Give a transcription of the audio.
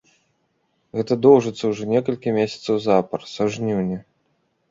Гэта доўжыцца ўжо некалькі месяцаў запар, са жніўня.